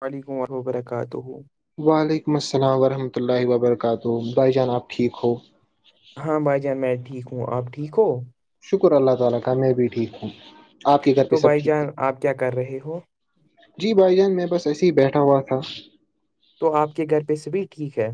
وعلیکم ورحم و برکاتہ وعلیکم السلام ورحمۃ اللہ وبرکاتہ بھائی جان آپ ٹھیک ہو ہاں بھائی جان میں ٹھیک ہوں آپ ٹھیک ہو شکر اللہ تعالا کا میں بھی ٹھیک ہوں آپ کے گھر تو پہ سب بھائی ٹھیک جان ہے آپ کیا کر رہے ہو جی بھائی جان میں بس ایسے ہی بیٹھا ہوا تھا تو آپ کے گھر پہ سے بھی ٹھیک ہے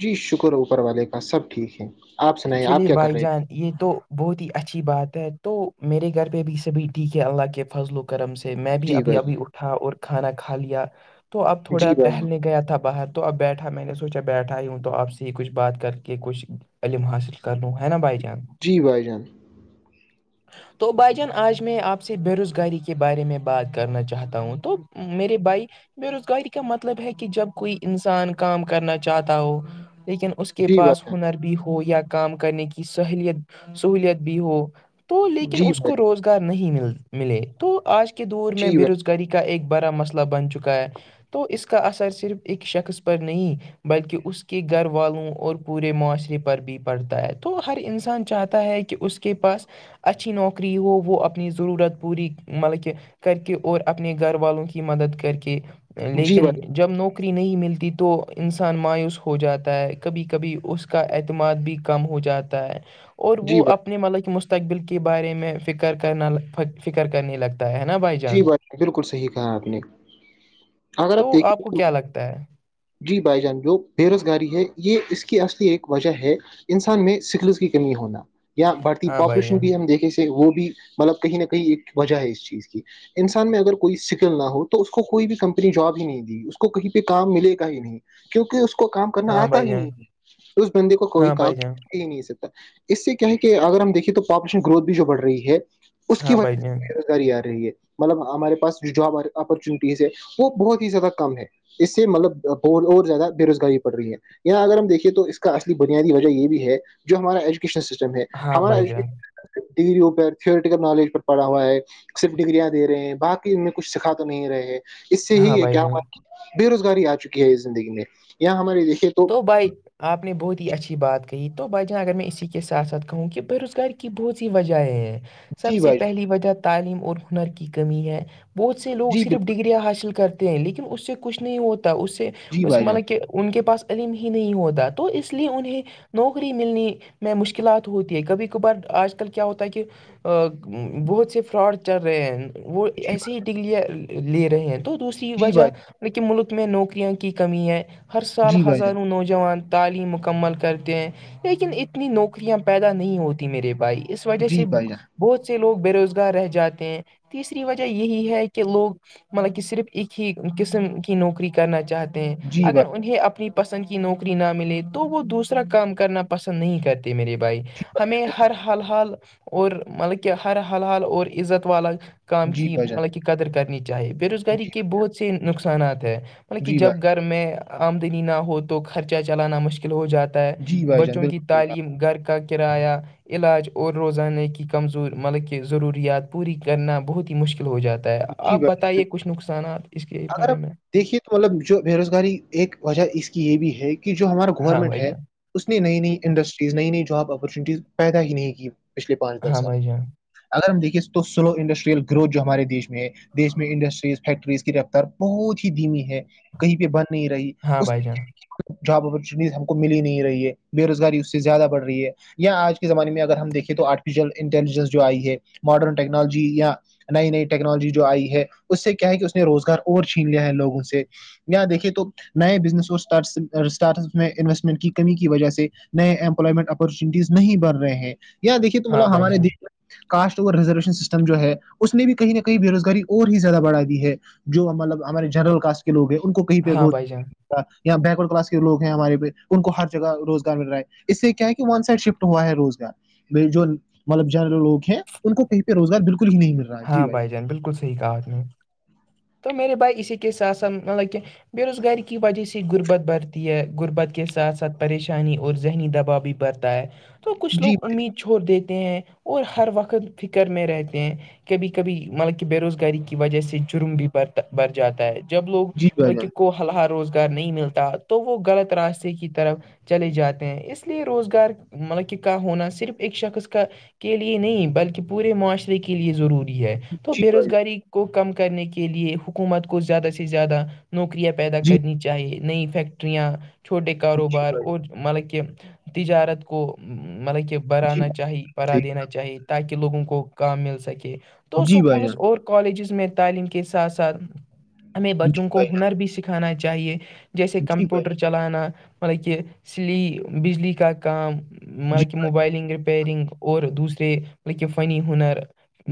جی شکر اوپر والے کا سب ٹھیک ہے آپ سنائیے آپ چلیے کیا کر بھائی رہے جان تھے یہ تو بہت ہی اچھی بات ہے تو میرے گھر پہ بھی سبھی ٹھیک ہے اللہ کے فضل و کرم سے میں بھی جی ابھی بھائی ابھی اٹھا اور کھانا کھا لیا تو اب جان تھوڑا جی بھائی جان ٹہلنے گیا تھا باہر تو اب بیٹھا میں نے سوچا بیٹھا ہی ہوں تو آپ سے ہی کچھ بات کر کے کچھ علم حاصل کرناوں ہے نا بائی جان جی بھائی جان [unintelligible] تو بھائی جان آج میں آپ سے بے روزگاری کے بارے میں بات کرنا چاہتا ہوں تو میرے بھائی بے روزگاری کا مطلب ہے کہ جب کوئی انسان کام کرنا چاہتا ہو لیکن اس کے پاس ہنر بھی ہو یا کام کرنے کی سہلیت سہولیت بھی ہو تو لیکن جی اس بھائی کو جان روزگار نہیں مل ملے تو آج کے دور جی میں بے بھائی روزگار ری کا ایک بڑا مسئلہ بن چکا ہے تو اس کا اثر صرف ایک شخص پر نہیں بلکہ اس کے گھر والوں اور پورے معاشرے پر پر بھی پڑتا ہے تو ہر انسان چاہتا ہے کہ اس کے پاس اچھی نوکری ہو وہ اپنی ضرورت پوری مطلب کہ کر کے اور اپنے گھر والوں کی مدد کر کے جی بھائی جی لیکن بھائی جب نوک نوری نہیں ملتی تو انسان مایوس ہو جاتا ہے کبھی کبھی اس کا عتماد بھی کم ہو جاتا ہے اور جی وہ بھائی اپنے ملک مستقبل کے بارے میں فکر کرنا فکر کرنے لگتا ہے ہے نا جی جان بھائی بالکل صحیح کہا آپ نے اگر آپ دیکھیں کو تو کیا لگتا تو جی بھائی جان جو بے روزگاری ہے یہ اس کی اصلی ایک وجہ ہے انسان میں سکلس کی کمی ہونا یا بڑھتی ہاں بھائی پاپولیشن جان بھی ہم دیکھے وہ بھی مطلب کہیں نہ کہیں ایک وجہ ہے اس چیز کی انسان میں اگر کوئی سکل نہ ہو تو اس کوئی بھی کمپنی جاب ہی نہیں دی اس کو کہیں پہ کام ملے ہی نہیں کیونکہ اس کو کام کرنا ہاں آتا بھائی ہی جان نہیں اس بندے کو کوئی ہاں کام بھائی جان نہیں سکتا اس سے کیا ہے کہ اگر ہم دیکیں تو پاپولیشن گروتھ بھی جو بڑھ رہی ہے اس کی ہاں بھائی جان وجہ کری آر رہی ہے مطلب ہمارے پاس جاب اپرچونیٹیز ہے وہ بہت ہی زیادہ کم ہے اس سے مطلب بہت اور زیادہ بے روزگاری پڑ رہی ہے یہاں اگر ہم دیکھیے تو اس کا اصلی بنیادی وجہ یہ بھی ہے جو ہمارا ایچ سسٹم ہے ہاں ہمارا بھائی جان ڈگریوں پر تھیورٹیکل نالج پر پڑا ہوا ہے صرف ڈگریاں د رہے ہیں باقی ان میں کچھ سکھا تو نہیں رہے ہیں اس سے ہی ہاں یہ بھائی کیا جان ہوا بے روزگاری آ چکی ہے یہ زندگی میں یہاں ہماریے دیکھیے تو دبئی آپ نے بہت ہی اچھی بات کہی تو بھائی جاناں اگر میں ا اسی کے ساتھ ساتھ کہوں کہ بے روزگاری کی بہت سی وجہیں ہیں سب جی سے بھائی جان پہلی وجہ تعلیم اور ہنر کی کمی ہے بہت سے لوگ جی صرف بالکل ڈگریاں حاصل کرتے ہیں لیکن اس سے کچھ نہیں ہوتا اس سے جی اس بھائی جان مطان کہ ان کے پاس علم ہی نہیں ہوتا تو اس لیے انہیں نوکری ملنے میں مشکلات ہوتی ہے کبھی کبھار آج کل کیا ہوتا ہے کہ بہت سے فراڈ چل رہے ہیں وہ جی ایسے ہی ڈگلیا لے رہے ہیں تو دوسری جی وجہ بھائی لیکن ملک میں نوکریاں کی کمی ہے ہر سال جی بھائی جان ہزاروں نوجوان تعلیم مکمل کرتے ہیں لیکن اتنی نوکریاں پیدا نہیں ہوت میرے بھائی اس وجہ جی سے بھائی جان بہت سے لوگ بے روزگار رہ جاتے ہیں تیسری وجہ یہی ہے کہ لوگ مطلب کہ صرف ایک ہی قسم کی نوکری کرنا چاہتے ہیں جی اگر بھائی انہیں اپنی پسند کی نوکری نہ ملے تو وہ دوسرا کام کرنا پسند نہیں کرتے میرے بھائی ہمیں ہر حال حال اور مطلب کہ ہر حال حال اور عزت والا کام جی کی بھائی جان مطلب کی قدر کرنی چاہی بے جی روزگاری کے بھائی جان بہت سے نقصانات ہیں مطلب کہ جی بھائی جب گھر میں آمدنی نہ ہو تو خرچہ چلانا مشکل ہو جاتا ہے جی بھائی جان بچوں کی بالکل صحیح بات تعلیم گھر کا کرایہ علاج اور روزانے کی کمزور ملک ضروریات پوری کرنا بہت ہی مشکل ہو جاتا ہے بتا جی آپ بھائی بتائیے کچھ نقصانات اس کے اگر بارے آپ میں دیکھیے تو مطلب جو بے روزگاری ایک وجہ اس کی یہ بھی ہے کہ جو ہمارا ہاں گورنمنٹ بھائی ہے جان اس نے نئی نئی انڈسٹریز نئی نئی جاب اپارچونیٹیز پیدا ہی نہیں کی پچھلے پانچ در ہاں سال بھائی جان اگر ہم دیکے تو سلو انڈسٹریل گروھ جو ہمارے دیش میں میں دیش میں انڈسٹریز فیکٹریز کی رفتار بہت ہی دھیمی ہے کہیں پہ بند نہیں رہی ہاں اس بھائی جان جاب اپچونیٹیز ہم کو م ہی نہیں رہی ہے بے روزگاری اس سے زیادہ بڑھ رہی ہے یا آج کے زمانے میں اگر ہم دیکھے تو آرٹیفیشیل انٹیلیجنس جو آئی ہے ماڈرن ٹیکنالوجی یا نئی نئی ٹیکنالوجی جو آئی ہے اس سے کیا ہے کہ اس نے روزگار اور چھین لیا ہے لوگوں سے یا دیکھے تو نئے بزنس اور اسٹارٹ میں انویسٹمنٹ کی کمی کی وجہ سے نئے امپلائمنٹ اپورچونیٹیز نہیں بڑھ رہے ہیں یہاں دیکے تو ہاں مطلب بھائی ہمارے جان دی میں کاسٹ اور ریزرویشن سسٹم جو ہے اس نے بھی کہیں نہ کہیں بے روزگاری اور ہی زیادہ بڑھا دی ہے جو مطلب ہمارے جنرل کاسٹ کے لگ ہیں ان کو کہیں پہ ہاں روز بھائی جان یا بیک ورڈ کلاس کے لوگ ہیں ہمارے پہ ان کو ہر جگہ روزگار مل رہا ہے اس سے کیا ہے کہ ون سائڈ شفٹ ہوا ہے روزگار جو مطلب جنرل لوگ ہیں ان کو کہ روزگار بالکل ہی نہیں مل رہا جی بھائی بالکل صحیح کہا آپ نے تو میرے بھائی اسی کے ساتھ ساتھ مطلب کہ بے روزگاری کی وجہ سے غربت برتی ہے غربت کے ساتھ ساتھ پریشانی اور ذہنی دباؤ بھی برتا ہے تو کچھ جی لوگ امید چھوڑ دیتے ہیں اور ہر وقت فکر میں رہتے ہیں کبھی کبھی مطلب کہ بے روزگاری کی وجہ سے جرم بھی برتا بر جاتا ہے جب لوگ بھائی مک کو ہلا روزگار نہیں ملتا تو وہ غلط راستے کی طرف چے جاتے ہیں اس لیے روزگار مطلب کہ کا ہونا صرف ایک شخص کا کے لیے نہیں بلکہ پورے معاشرے کے لیئے ضروری ہے تو جی بے بھائی روزگاری کو کم کرنے کے لیے حکومت کو زیادہ سے زیادہ نوکریاں پیدا جان کرنی چاہیے نئی فیکیکٹریاں چھوٹے جی بھائی جان جی جی کاروبار بھائی اور مطلب کہ تجارت کو مطلب کہ جی برانا چاہی پرا صحیح دینا چاہے تاکہ لوگوں کو کام مل سکے تو جی بھائی اسکولس جان اور کالجز میں تعلیم کے ساتھ ساتھ ہمیں جی بچوں کو بھائی ہنر بھی سکھانا چاہیے جیسے جان جی بھائی کمپیوٹر جان چلانا مطلب کہ سلی بجلی کا کام جی مطلب کہ موبائلنگ ریپیرنگ اور دوسرے مطلب کہ فنی ہنر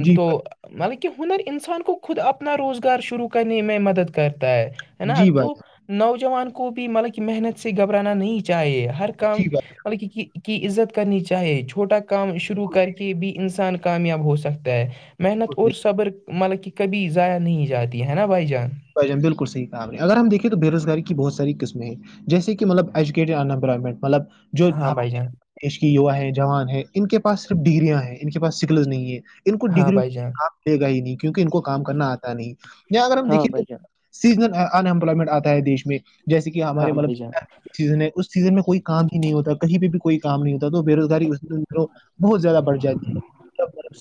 جی تو بھائی مطلب کہ ہنر انسان کو خود اپنا روزگار شروع کرنے میں مدد کرتا ہے ہے نا جی بھائی تو جان نوجوان کو بھی مطلب کہ محنت سے گھبرانا نہیں چاہیے ہر کام جی بھائی جان بلکہ کی عزت کرنی چاہیے چھوٹا کام شروع کر بالکل کے بھی انسان کامیاب ہو سکتا ہے محنت اور صحیح صبر مطلب کہ کبھی ضائع نہیں جاتی ہے نا بھائی جان بھ جان بالکل صح کام ہے اگر ہم دیکیں تو بے روزگاری کی بہت س قسمیں ہیں جیسے کہ مطلبجویٹیڈ انمپائمٹ مطلب جو ہاں بھائی ہمے جان دیش کی یوا ہے جوان ہیں ان کے پاس صرف ڈگریاں ہیں ان کے پاس سکلز نہیں ہے ان کو ہاں ڈگری بھائی میں جان کام دے گا ہی نہیں کیک ان کو کام کرنا آتا نہیں یا اگر ہم ہاں دیکھے بھائی جان سیزنل ان ایمپلائمنٹ آتا ہے دیش میں جیسے کہ ہمارے ہاں بھائی جان مطلب سیزن ہے اس سیزن میں کوئی کام ہی نہیں ہوتا کہیں پہ بھی کوئی کام نہیں ہوتا تو بے روزگاری بہت زیادہ بھ جاتی ہے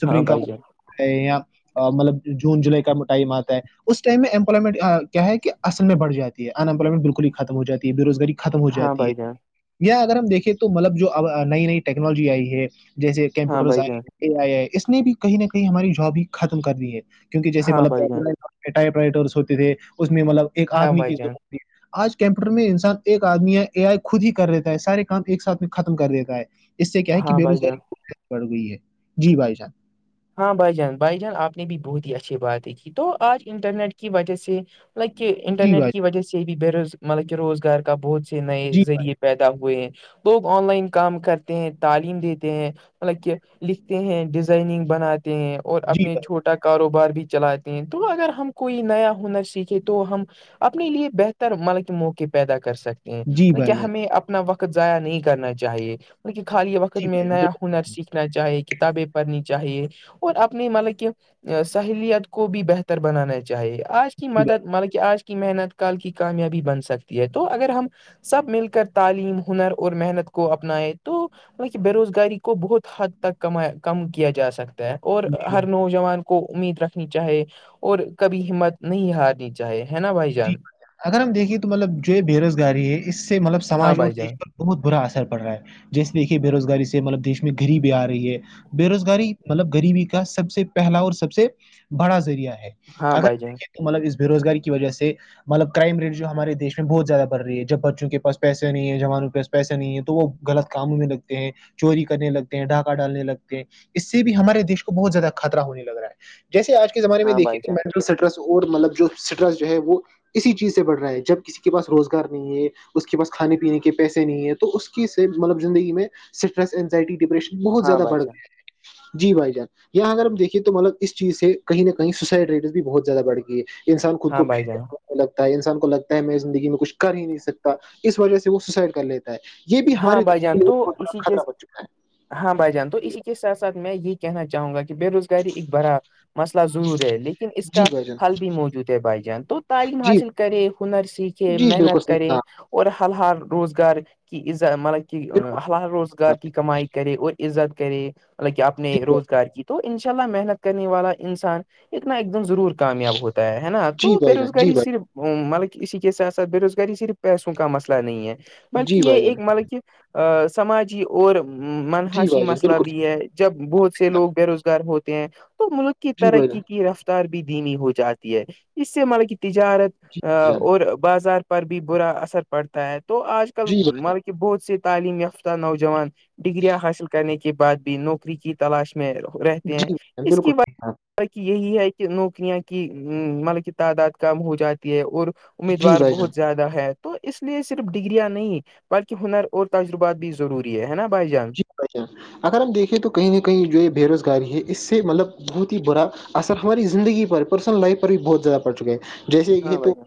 ہاں پرنگ بھائی کاتا جان ہے یا مطلب جون جولائی کا ٹائم آتا ہے اس ٹائم میں ٹ کیا ہے کہصل میں بڑ جات ہے انمپلائمٹ بالکل ہی ختم ہو جات ہے بے روزگاری کی ختم ہو ہاں جاتی ہے بھائی جان یا اگر ہم دیکھیں تو مطلب جو اب نئی نئی ٹیکنالوجی آئی ہے جیسے ہاں کمپیوٹر بھائی جان آئے اے آئی آئے اس نے بھی کہیں نہ کہیں ہماری جاب ہی ختم کر دی ہے کیونکہ جیسے ہاں بھائی جان مطلب ٹائپ رائٹرس ہوتے تھے اس میں مطلب ایک ہاں آدمی بھائی جان کیورت آج کمپیوٹر میں انسان ایک آدمی اے آئی خود ہی کر رہتا ہے سارے کام ایک ساتھ میں ختم کر دیتا ہے اس سے کیا ہے کہ ہاں بے بھائی جان روزگاری ب ز بڑھ گئی ہے جی بھائی جان ہاں بھائی جان بھائی جان آپ نے بھی بہت ہی اچھی باتیں کی تو آج انٹرنیٹ کی وجہ سے لائک کہ جی انٹرنیٹ بھائی کی وجہ سے بھی بے روز مطلب کہ روزگار کا بہت سے نئے جی بھائی ذریعے پیدا ہوئے ہیں لوگ آن لائن کام کرتے ہیں تعلیم دیتے ہیں مطلب کہ لکھتے ہیں ڈیزائننگ بناتے ہیں اور جی اپنے بھائی چھوٹا کاروبار بھی چلاتے ہیں تو اگر ہم کوئی نیا ہنر سیکھے تو ہم اپنے لیے بہتر مطب کہ موقع پیدا کر سکتے جی کیا بھائی جان ہمیں اپنا وقت ضائع نہیں کرنا چاہیے خالی وقت جی میں بھائی جان نیا ہنر بالکل سیکھنا چاہے کتابیں پرنی چاہیے اور اپنی مطلب کہ سہیلیت کو بھی بہتر بنانا چاہیے آج کی جی بھائی مدد مطلب کہ آج کی محنت کال کی کامیابی بن سکتی ہے تو اگر ہم سب مل کر تعلیم ہنر اور محنت کو اپنائے تو بے روزگاری کو بہت حد تک کما کم کیا جا سکتا ہے اور جی بھائی ہر نوجوان کو امید رکھنی چاہے اور کبھی ہمت نہیں ہارنی چاہے ہے نا بھائی جی جان اگر ہم دیکھے تو مطلب جو بے روزگاری ہے اس سے مطلب ہاں سماج اور بھائی جان دیش پر بہت برا اثر پڑ رہا ہے جیسےیک کہ بے روزگاری سے مطلب دیش میں گریبی آ رہی ہے بے روزگاری مطلب غریبی کا سب سے پہلا اور سب سے بڑا ذریعہ ہے ہاں اگر بائی ہم جے دیکھیں مطلب اس بےوزگاری کی وجہ سے مطلب کرائم رٹ جو ہمارے دیش میں بہت زیادہ بڑ رہی ہے جب بچوں کے پا پیسے نہیں ہے جوانوں کے پاس پیسہ نہیں ہے تو وہ غلط کاموں میں لگتے ہیں چوری کرنے لگتے ہیں ڈھاکہ ڈالنے لگتے ہیں اس سے بھی ہمارے دیش کو بہت زیادہ خطرہ ہونے لگ رہا ہے جیسے آج کے زمانے میں ہاں بھائی دیکھیے کہ جان مینٹل اسٹریس اور مطلب جو اسٹرس ہے وہ اسی چیز سے بڑ رہا ہے جبکہ کسی کے پاس روزگار نہیں ہے اس کے پاس کھانے پینے کے پیسے نہیں ہے تو اس کی سے مطلب زندگی میں اسٹریس ازائٹی ڈپریشن بہت ہاں زیادہ بھائی بڑھ جان گیا ہے جی بھائی جان یہاں اگر ہم دیکے تو مطلب اس چیز سے کہیں نہ کہیں سوسائڈ ریٹز بھی بہت زیادہ بڑ گئی ہے انسان کو ہاں بھائی جان لگتا ہے انسان کو لگتا ہے میں زندگی میں کچھ کر ہی نہیں سکتا اس وجہ سے وہ سوسائڈ کر لیتے یہ بھی ہاں ہمارے بھائی دیش کے جان لی تو بہت بڑا اسی کے خطرہ بن چکا ہے ہاں بھائی جان تو اسی کے ساتھ ساتھ میں یہ کہنا چاہوں گا کہ بے روزگاری ایک بڑا مسئلہ ضرور ہے لیکن اس جی کا بھائی جان حل بھی موجود ہے بھائی جان تو تعلیم جی حاصل کرے ہنر سیکھے جی بالکل محنت صحیح کرے کہا اور حل حال روزگار کی مطلب کہ بالکل حل روزگار کی کمائی کرے اور عزت کرے مطلب کہ اپنے روزگار کی تو ان شاء اللہ محنت کرنے والا انسان ایک نہ ایک دم ضرور کامیاب ہوتا ہے نا جی تو بے بھائی جان جی روزگاری بھائی صرف مطلب کہ اسی کے ساتھ ساتھ بےروزگاری صرف پیسوں کا مسئلہ نہیں ہے بلکہ جی یہ بھائی جان جی بھائی جان ایک مطلب کہ سماجی اور جی منحاسی بھائی جان مسئلہ بالکل صحیح بھی ہے جب بہت سے کہا لوگ بے روزگار ہوتے ہیں تو ملک کی جی بھائی جان ترقی کی رفت بھی دھیمی ہو جاتی ہے اس سے ملے کی جی تجارت بھائی جان اور بازار پر بھی برا اثر پڑتا ہے تو آج کل جی بھائی مل جان بہت سے تعلیم یافتہ نوجوان ڈگریاں حاصل کرنے کے بعد بھی نوکری کی تلاش میں رہتے ہیں جی بھائی جان اس بالکل کی بات ٹھیک ہے آپ تک یہی ہے کہ نوکریاں کی مطلب کی تعداد کم ہو جاتی ہے اور نے۔ جی امیدوار بھائی جان بہت زیادہ ہے تو اس لیے صرف ڈگگریاں نہیں بلکہ ہنر اور تجربات بھی ضروری ہے نا بھائی جان اچ اگر ہم دیکھیں تو کہیں نہ کہیں جو یہ بے روزگاری ہے اس سے مطلب بہت ہی برا اثر ہماری زندگی پر پرسنل لائف پر بھی بہت زیادہ پڑ چکا ہے جیسے یہ ہاں تو بھائی جان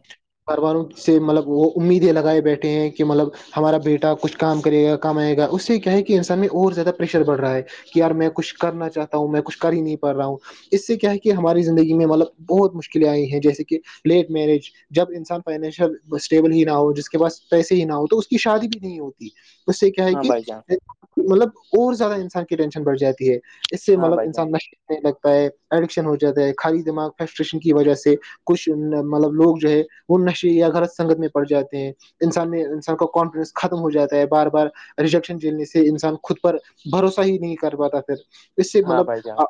گھرواروں سے مطلب وہ امیدیں لگائے بیٹھے ہیں کہ مطلب ہمارا بیٹا کچھ کام کرے گا کام آئے گا اس سے کیا ہے کہ انسان میں اور زیادہ پریشر بڑ رہا ہے کہیار میں کچھ کرنا چاہتا ہوں میں کچھ کر ہی نہیں پا رہا ہوں اس سے کیا ہے کہ ہماری زندگی میں مطلب بہت مشکلیں آئی ہیں جیسے کہ لیٹ میرج جب انسان فائنشیل اسٹیبل ہی نہ ہو جس کے پاس پیسے ہی نہ ہو تو اس کی شادی بھی نہیں ہوتی اس سے کیا ہے ہاں کہ بھائی جان مطلب اور زیادہ انسان کی ٹینشن بڑھ جاتی ہے اس سے ہاں مطلب بھائی جان انسان نشنے لگتا ہے ایڈکشن ہو جاتا ہے خالی دماغ فرسٹریشن کی وجہ سے کچھ مطلب لوگ جو ہے وہ نشے یا غلط سنگت میں پڑ جاتے ہیں انسان میں انسان کا کانفیڈنس ختم ہو جاتا ہے بار بار ریجیکشن جیلنے سے انسان خود پر بھروسہ ہی نہیں کر پاتا پھر اس سے ہاں بھائی جان مطلب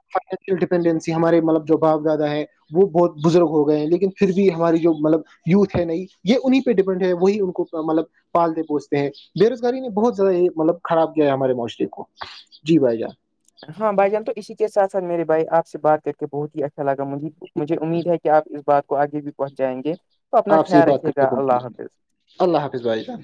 انڈیپینڈنسی ہمارے مطلب جو باپ زیادہ ہے وہ بہت بزرگ ہو گئے ہیں لیکن پھر بھی ہماری جو مطلب یوتھ ہے نہیں یہ انہیں پہ ڈیپینڈ ہے وہی ان کو مطلب پالتے پوچتے ہیں بے روزگاری نے بہت زیادہ یہ مطلب خراب کیا ہے ہمارے معاشرے کو جی بھائی جان ہاں بھائی جان تو اسی کے ساتھاتھ میرے بھائی آپ سے بات کر کے بہت ہی اچھا لگا مجھ مجھے امید ہے کہ آپ اس بات کو آگے بھی پہنچ جائیں گے تو اپنا آپ سے یہ خیال بات کر رھیے گا کے اللہ بہت حافظ اللہ حافظ بائی جان